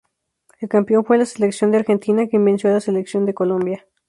El campeón fue la Selección de Argentina quien venció a la Selección de Colombia.